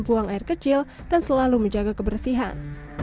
buang air kecil dan selalu menjaga kebersihan